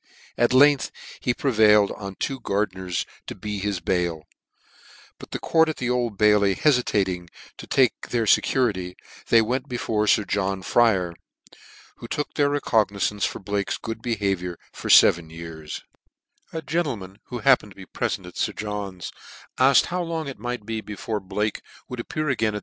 At length he prevailed on two fardeners to be his bail ; but the court at the Old ailey hefitating to take their fecurity, they wtnt before Sir John Fryer, who took their recog nizance for Blake's good behaviour for feven years A gentleman who happened to be p relent at Sir John's, afked how long it might be before Blake would appear again at.